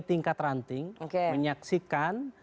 tingkat ranting menyaksikan